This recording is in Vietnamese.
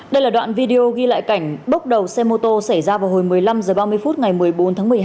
đây là đoạn video ghi lại cảnh bốc đầu xe mô tô xảy ra vào hồi một mươi năm h ba mươi phút ngày một mươi bốn tháng một mươi hai